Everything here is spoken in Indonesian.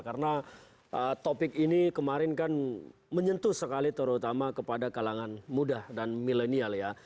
karena topik ini kemarin kan menyentuh sekali terutama kepada kalangan muda dan milenial ya